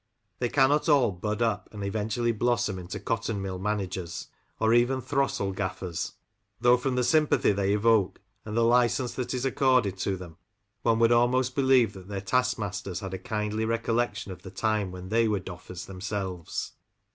They cannot all bud up and eventually blossom into cotton mill managers, or even throstle gaffers ; though from the sympathy they evoke, and the license that is accorded to them, one would almost believe that their taskmasters had a kindly recollection of the time when they were Doflfers themselves.